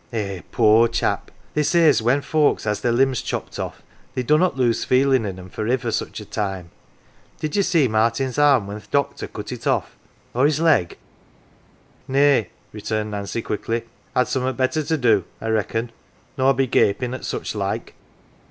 Eh, poor chap ! They say as when folks has their limbs chopped off they dunnot lose feelin' in 'em for iver such a time. Did ye see Martin's arm when th' doctor cut it off or's leg?" " Nay," returned Nancy, quickly. " I'd summat better to do, I reckon, nor be gapin' at such like."